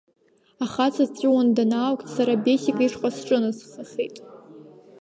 Ахаҵа дҵәуан данаақәҵ, сара Бесик ишҟа сҿынасхахит.